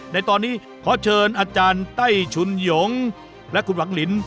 ในตอนนี้ขอเชิญอาจารย์ไต้ชุนหยงและคุณหวังลิน